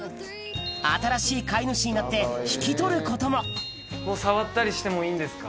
新しい飼い主になって引き取ることも触ったりしてもいいんですか？